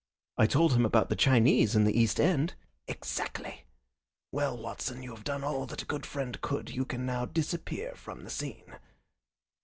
"I told him about the Chinese in the East End." "Exactly! Well, Watson, you have done all that a good friend could. You can now disappear from the scene."